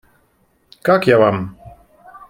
Как я Вам?